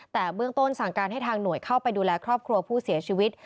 แต่เบื้องต้นสั่งการให้ทางหน่วยเข้าไปดูแลครอบครัวผู้เสียชีวิต